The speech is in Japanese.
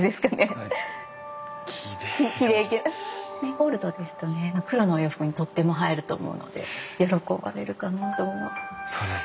ゴールドですとね黒のお洋服にとっても映えると思うので喜ばれるかなと思います。